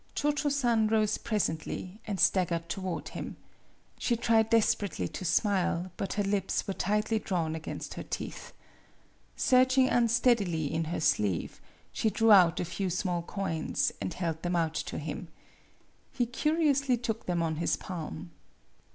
Cho Cho San rose presently, and stag gered toward him. She tried desperately to smile, but her lips were tightly drawn against her teeth. Searching unsteadily in her sleeve, she drew out a few small coins, and held them out to him. He curiously took them on his palm.